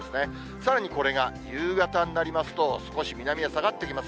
さらにこれが夕方になりますと、少し南へ下がってきます。